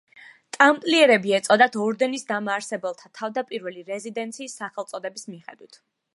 ტამპლიერები ეწოდათ ორდენის დამაარსებელთა თავდაპირველი რეზიდენციის სახელწოდების მიხედვით.